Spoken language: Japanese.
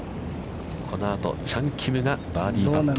このあと、チャン・キムがバーディーパット。